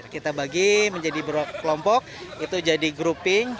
kita bagi menjadi kelompok itu jadi grouping